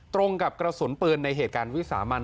ตรงกับกระสุนปืนในเหตุการณ์วิสามัน